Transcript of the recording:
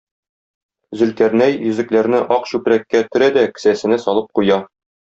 Зөлкарнәй йөзекләрне ак чүпрәккә төрә дә кесәсенә салып куя.